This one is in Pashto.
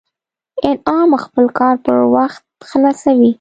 انعام خپل کار پر وخت خلاصوي